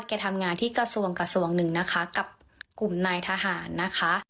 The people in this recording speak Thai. แกทำงานที่กระทรวงกระทรวงหนึ่งนะคะกับกลุ่มนายทหารนะคะ